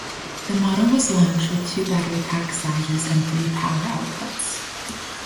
The model was launched with two battery pack sizes and three power outputs.